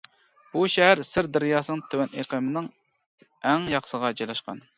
بۇ شەھەر سىر دەرياسىنىڭ تۆۋەن ئېقىنىنىڭ ئەڭ ياقىسىغا جايلاشقان.